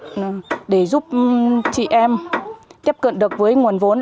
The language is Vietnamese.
giúp chị em tiếp cận được nguồn vốn